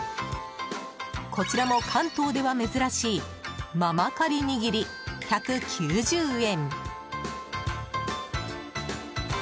こちらも関東では珍しいママカリ握り、１９０円！